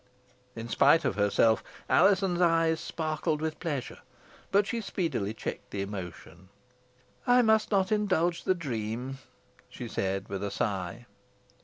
In spite of herself Alizon's eyes sparkled with pleasure; but she speedily checked the emotion. "I must not indulge the dream," she said, with a sigh.